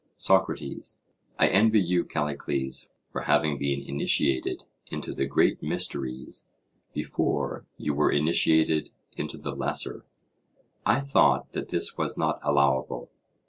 SOCRATES: I envy you, Callicles, for having been initiated into the great mysteries before you were initiated into the lesser. I thought that this was not allowable.